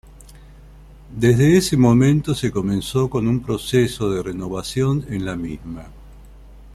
Desde ese momento se comenzó con un proceso de renovación en la misma.